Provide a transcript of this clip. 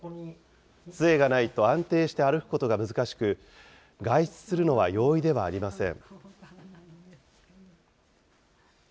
つえがないと安定して歩くことが難しく、外出するのは容易ではありません。